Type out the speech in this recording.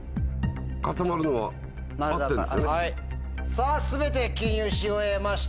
さぁ全て記入し終えました